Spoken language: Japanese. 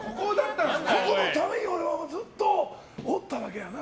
ここのために俺はずっとおったわけやな。